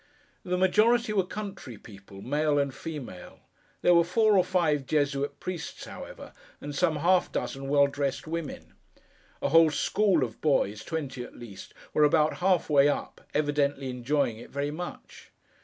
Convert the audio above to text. The majority were country people, male and female. There were four or five Jesuit priests, however, and some half dozen well dressed women. A whole school of boys, twenty at least, were about half way up—evidently enjoying it very much.